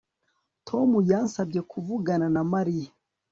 Tom yansabye kuvugana na Mariya